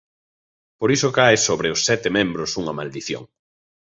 Por iso cae sobre os sete membros unha maldición.